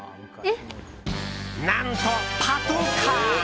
何と、パトカー！